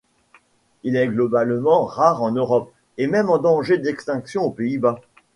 Il est globalement rare en Europe, et même en danger d'extinction aux Pays-Bas.